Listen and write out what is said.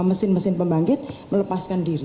mesin mesin pembangkit melepaskan diri